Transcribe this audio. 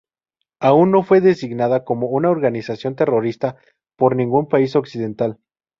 Aún no fue designada como una organización terrorista por ningún país occidental.